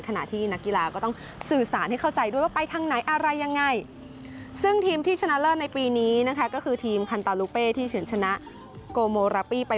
ขณะที่นักกีฬาก็ต้องสื่อสารให้เข้าใจด้วยว่าไปทางไหนอะไรยังไง